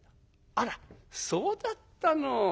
「あらそうだったの。